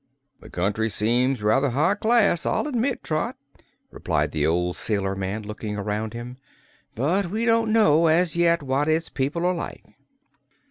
"The country seems rather high class, I'll admit, Trot," replied the old sailor man, looking around him, "but we don't know, as yet, what its people are like."